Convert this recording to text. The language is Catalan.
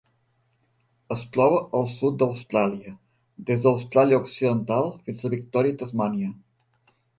Es troba al sud d'Austràlia: des d'Austràlia Occidental fins a Victòria i Tasmània.